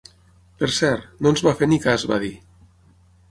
Per cert, no ens van fer ni cas, va dir.